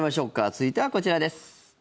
続いてはこちらです。